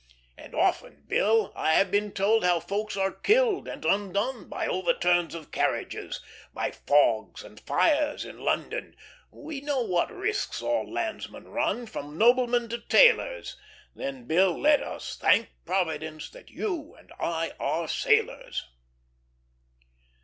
"'And often, Bill, I have been told How folks are killed, and undone, By overturns of carriages, By fogs and fires in London. We know what risks all landsmen run, From noblemen to tailors: Then, Bill, let us thank Providence That you and I are sailors.'"